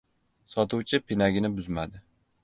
Sotuvchi pinagini buzmadi.